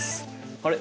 あれ？